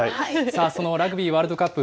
そのラグビーワールドカップ